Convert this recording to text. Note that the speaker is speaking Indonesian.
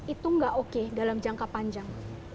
itu nggak oke dalam jangka panjang